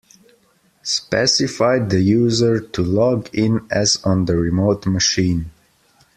Specify the user to log in as on the remote machine.